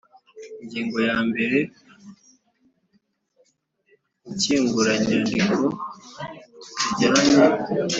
Ingingo ya mbere Inshyinguranyandiko zijyanye